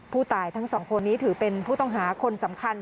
ทั้งสองคนนี้ถือเป็นผู้ต้องหาคนสำคัญ